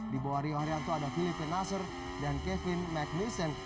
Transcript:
di bawah rio haryanto ada philippe nasser dan kevin mcneeson